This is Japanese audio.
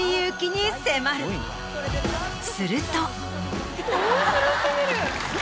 すると。